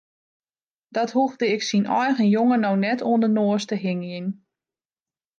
Dat hoegde ik syn eigen jonge no net oan de noas te hingjen.